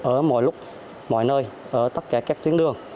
ở mọi lúc mọi nơi ở tất cả các tuyến đường